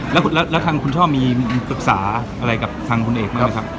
แล้วทางคุณช่อมีอุปสรรค์อะไรกับทางคุณเอกมั้ยครับ